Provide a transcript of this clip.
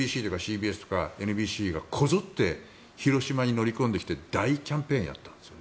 ＡＢＣとかＣＢＣとかがこぞって、広島に乗り込んできて大キャンペーンをやったんです。